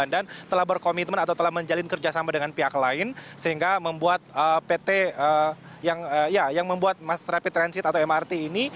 dan telah berkomitmen atau telah menjalin kerjasama dengan pihak lain sehingga membuat pt yang membuat mas rapid transit atau mrt ini